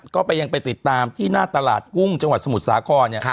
ก็ไปยังไปติดตามที่หน้าตลาดกุ้งจังหวัดสมุทรสาครเนี่ย